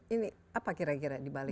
ini apa kira kira di bali